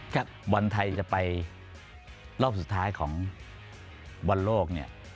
กับบอลไทยจะไปรอบสุดท้ายของวันโลก